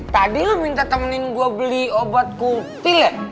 tadi lo minta temenin gue beli obat kutil ya